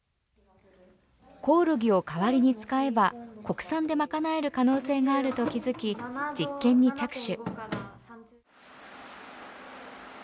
コオロギを代わりに使えば国産でまかなえる可能性があると気づき実験に着手